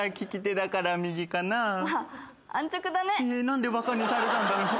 何でバカにされたんだろう。